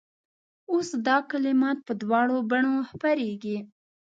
اوس دا کلمات په دواړو بڼو خپرېږي.